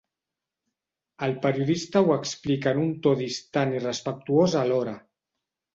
El periodista ho explica en un to distant i respectuós alhora.